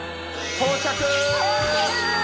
到着！